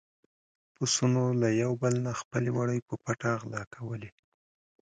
پسونو له يو بل نه خپل وړي په پټه غلا کولې.